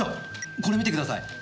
これ見てください！